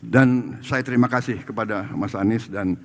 dan saya terima kasih kepada mas anies dan